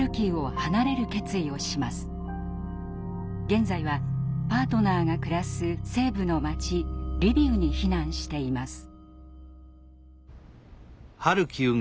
現在はパートナーが暮らす西部の街リビウに避難しています。